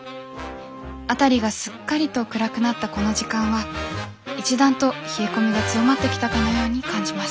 辺りがすっかりと暗くなったこの時間は一段と冷え込みが強まってきたかのように感じます。